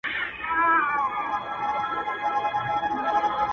o ستا ټولي كيسې لوستې.